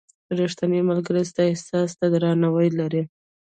• ریښتینی ملګری ستا احساس ته درناوی لري.